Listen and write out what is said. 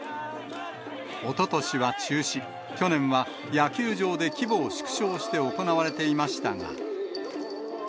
おととしは中止、去年は野球場で規模を縮小して行われていましたが。